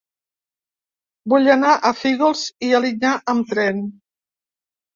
Vull anar a Fígols i Alinyà amb tren.